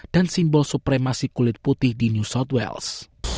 dan simbol supremasi kulit putih di new south wales